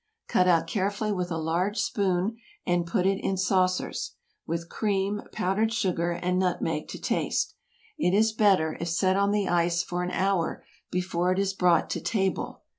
Cut out carefully with a large spoon, and put in saucers, with cream, powdered sugar, and nutmeg to taste. It is better, if set on the ice for an hour before it is brought to table.